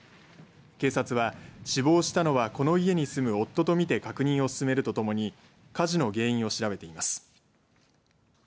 警察は死亡したのはこの家に住む夫とみて確認を進めるとともに火事の原因を調べています。